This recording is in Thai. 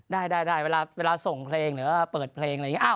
ใดไปต่อส่งเพลงหรือเปิดเพลง